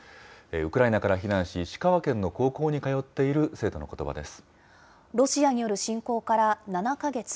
ウクライナから避難し、石川県の高校に通っている生徒のことばでロシアによる侵攻から７か月。